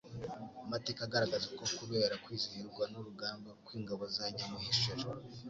Amateka agaragaza ko kubera kwizihirwa n'urugamba kw'Ingabo za Nyamuheshera,